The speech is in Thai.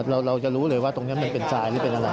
เราจะรู้เลยว่าตรงนี้มันเป็นทรายหรือเป็นอะไร